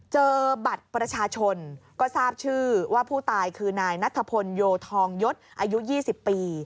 เจอบัตรประชาชนก็ทราบชื่อว่าผู้ตายคือนายนัทพลโยทองยศอายุ๒๐ปี